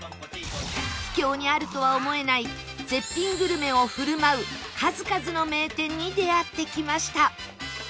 秘境にあるとは思えない絶品グルメを振る舞う数々の名店に出会ってきました